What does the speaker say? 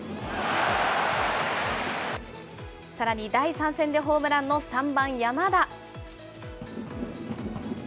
さらに第３戦でホームランの３番山田。